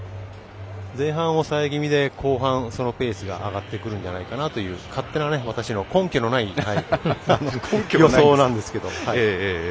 前半抑え気味でそのペースが上がってくるんじゃないかなという勝手な私の根拠のない予想なんですけど。